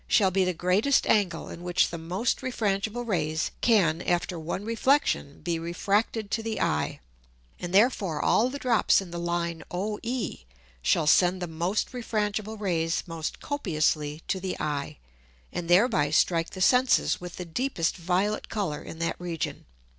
shall be the greatest Angle in which the most refrangible Rays can after one Reflexion be refracted to the Eye, and therefore all the Drops in the Line OE shall send the most refrangible Rays most copiously to the Eye, and thereby strike the Senses with the deepest violet Colour in that Region.